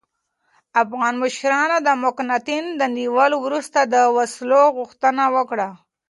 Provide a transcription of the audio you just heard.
افغان مشرانو د مکناتن د نیولو وروسته د وسلو غوښتنه وکړه.